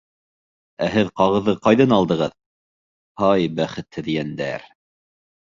Ә һеҙ ҡағыҙҙы ҡайҙан алдығыҙ? һай, бәхетһеҙ йәндәр!